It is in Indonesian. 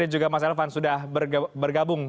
dan juga mas elvan sudah bergabung